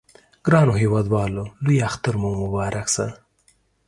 ګرانو هیوادوالو لوی اختر مو مبارک شه!